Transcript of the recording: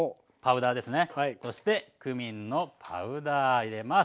そしてクミンのパウダー入れます。